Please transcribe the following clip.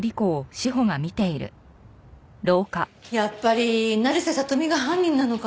やっぱり成瀬聡美が犯人なのかなあ？